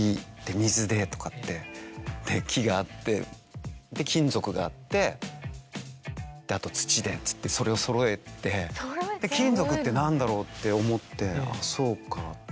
水でとかって木があって金属があってあと土でっつってそれをそろえて。って思ってあっそうかって。